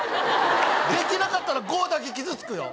できなかったら５だけ傷つくよ